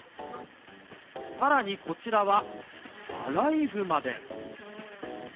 さらにこちらは、アライグマです。